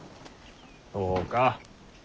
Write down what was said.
そうか。